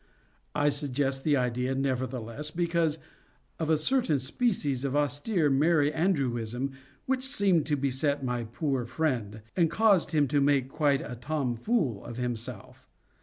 I suggest the idea, nevertheless, because of a certain species of austere Merry Andrewism which seemed to beset my poor friend, and caused him to make quite a Tom Fool of himself.